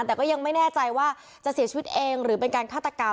แต่ก็ยังไม่แน่ใจว่าจะเสียชีวิตเองหรือเป็นการฆาตกรรม